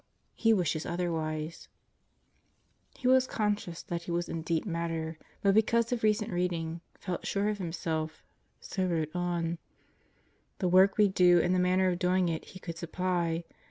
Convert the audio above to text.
He wishes otherwise, He was conscious that he was in deep matter, but because of recent reading, felt sure of himself, so wrote on: The work we do and the manner of doing it He could supply.